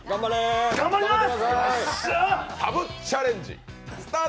頑張ります！